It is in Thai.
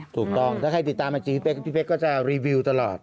ถูกต้องถ้าใครติดตามอาจีพี่เป๊กก็จะรีวิวตลอด